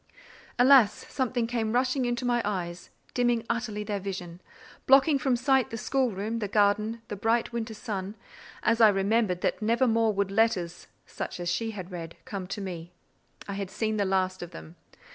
Alas! something came rushing into my eyes, dimming utterly their vision, blotting from sight the schoolroom, the garden, the bright winter sun, as I remembered that never more would letters, such as she had read, come to me. I had seen the last of them.